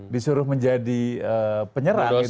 disuruh menjadi penyerang itu